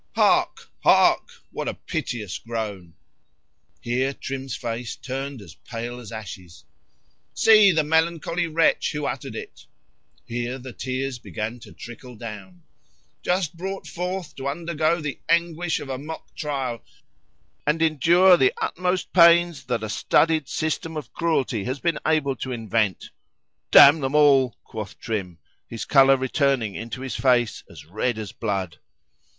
Hark!—hark! what a piteous groan!"—[Here Trim's face turned as pale as ashes.]——"See the melancholy wretch who uttered it"—[Here the tears began to trickle down]——"just brought forth to undergo the anguish of a mock trial, and endure the utmost pains that a studied system of cruelty has been able to invent."—[D—n them all, quoth Trim, his colour returning into his face as red as blood.